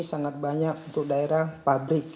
sangat banyak untuk daerah pabrik